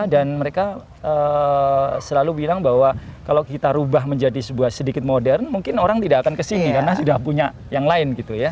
dan mereka selalu bilang bahwa kalau kita rubah menjadi sebuah sedikit modern mungkin orang tidak akan kesini karena sudah punya yang lain gitu ya